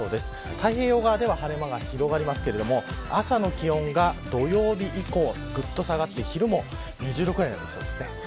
太平洋側では晴れ間が広がりますが、朝の気温が土曜日以降、下がって昼も２０度くらいになります。